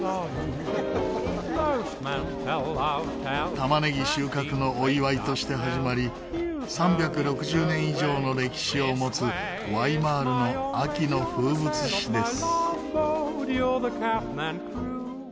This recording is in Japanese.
玉ねぎ収穫のお祝いとして始まり３６０年以上の歴史を持つワイマールの秋の風物詩です。